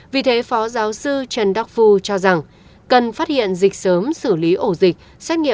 vì thế phó giáo sư trần đắc phu cho rằng cần phát hiện dịch sớm xử lý ổ dịch